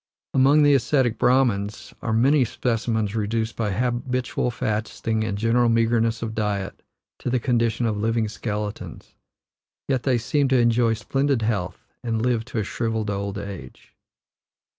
Among the aesthetic Brahmans are many specimens reduced by habitual fasting and general meagreness of diet to the condition of living skeletons; yet they seem to enjoy splendid health, and live to a shrivelled old age.